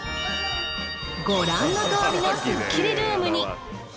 ご覧のとおりのすっきりルームに！